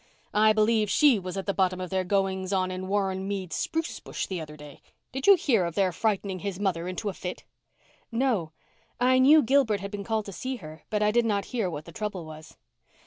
I believe she was at the bottom of their goings on in Warren Mead's spruce bush the other day. Did you hear of their frightening his mother into a fit?" "No. I knew Gilbert had been called to see her, but I did not hear what the trouble was."